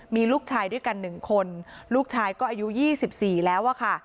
มีลูกชายด้วยกันหนึ่งคนลูกชายก็อายุยี่สิบสี่แล้วอะค่ะ